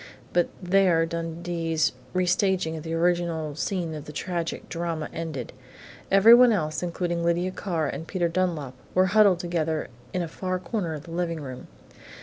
But there Dundee's restaging of the original scene in the tragic drama ended. Everyone else, including Lydia Carr and Peter Dunlap, were huddled together in a far corner of the living room.